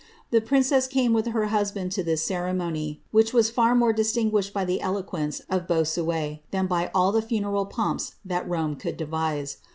The princess came with her husband to this ceremony, h was far more distinguished by the eloquence of Bossuet than by le funeral pomps that Rome could devise.